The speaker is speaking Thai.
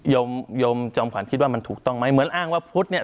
ยมยมจอมขวัญคิดว่ามันถูกต้องไหมเหมือนอ้างว่าพุทธเนี่ย